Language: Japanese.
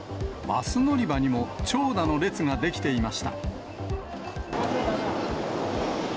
バス乗り場にも長蛇の列が出来ていました。